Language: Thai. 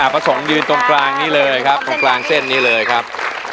ประสงค์ยืนตรงกลางนี้เลยครับตรงกลางเส้นนี้เลยครับ